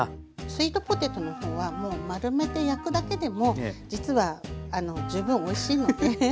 スイートポテトの方はもう丸めて焼くだけでも実は十分おいしいので。